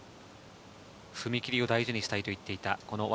踏切を大事にしたいと言っていたこの技。